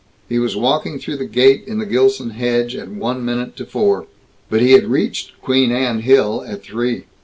He was walking through the gate in the Gilson hedge at one minute to four. But he had reached Queen Anne Hill at three.